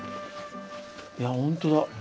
いや本当だ。